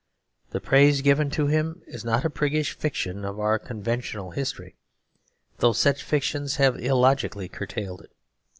The praise given to him is not a priggish fiction of our conventional history, though such fictions have illogically curtailed it.